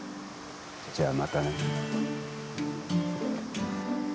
じゃあまたね